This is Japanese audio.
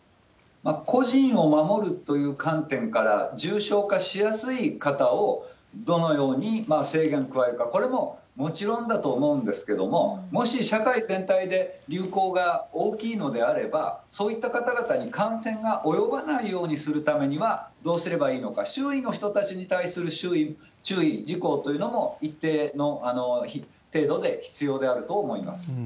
個人を守るという観点から、重症化しやすい方をどのように制限加えるか、これももちろんだと思うんですけれども、もし社会全体で流行が大きいのであれば、そういった方々に感染が及ばないようにするためにはどうすればいいのか、周囲の人たちに対する注意事項というのも、一定の程度で必要であると思います。